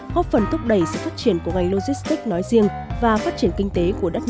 góp phần thúc đẩy sự phát triển của ngành logistic nói riêng và phát triển kinh tế của đất nước nói chung